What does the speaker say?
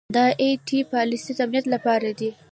دا ائ ټي پالیسۍ د امنیت لپاره دي.